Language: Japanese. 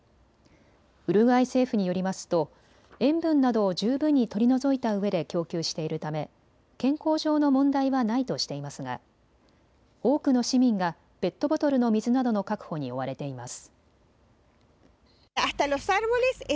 ウルグアイ政府によりますと塩分などを十分に取り除いたうえで供給しているため健康上の問題はないとしていますが多くの市民がペットボトルの水などの確保に追われています。